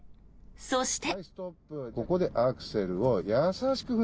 そして。